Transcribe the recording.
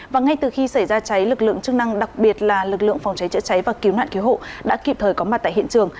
và ngay từ khi xảy ra cháy lực lượng chức năng đặc biệt là lực lượng phòng cháy chữa cháy và cứu nạn cứu hộ đã kịp thời có mặt tại hiện trường